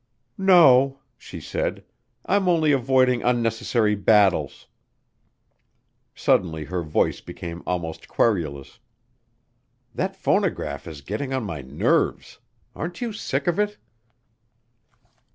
"No," she said, "I'm only avoiding unnecessary battles." Suddenly her voice became almost querulous. "That phonograph is getting on my nerves. Aren't you sick of it?"